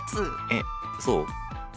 えっそう？